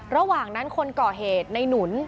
ระหว่างนั้นคนก่อเหตุในหนุน